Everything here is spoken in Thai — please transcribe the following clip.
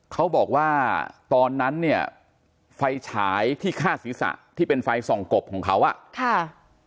เขาบอกว่าตอนนั้นเนี่ยไฟฉายที่ฆ่าศีรษะที่เป็นไฟส่องกบของเขาอ่ะค่ะ